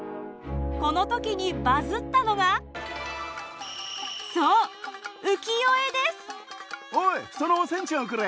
この時にバズったのがおいそのお仙ちゃんをくれ！